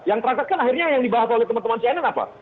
yang terangkat kan akhirnya yang dibahas oleh teman teman cnn apa